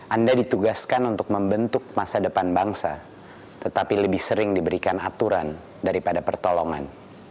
anda ditugaskan untuk membentuk masa depan bangsa tetapi lebih sering diberikan aturan daripada pertolongan